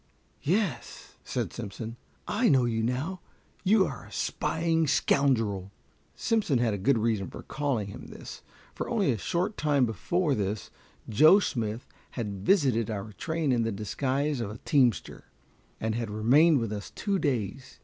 "Yes," said Simpson, "I know you now; you are a spying scoundrel." Simpson had good reason for calling him this, for only a short time before this Joe Smith had visited our train in the disguise of a teamster, and had remained with us two days.